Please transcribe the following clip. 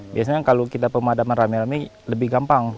biasanya kalau kita pemadaman rame rame lebih gampang